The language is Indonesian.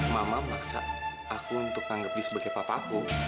mama maksa aku untuk anggap dia sebagai papa aku